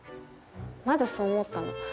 まずそう思ったの。